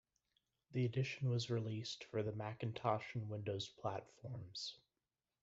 The edition was released for the Macintosh and Windows platforms.